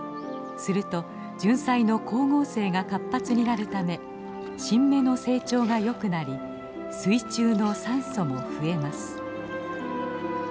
するとジュンサイの光合成が活発になるため新芽の成長がよくなり水中の酸素も増えます。